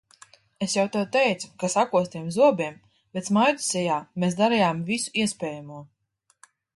Es jau tev teicu, ka sakostiem zobiem, bet smaidu sejā mēs darījām visu iespējamo.